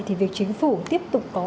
thì việc chính phủ tiếp tục có